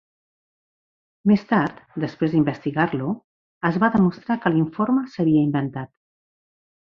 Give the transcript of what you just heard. Més tard, després d'investigar-lo, es va demostrar que l'informe s"havia inventat.